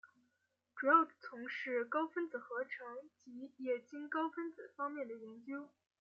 主要从事高分子合成及液晶高分子方面的研究。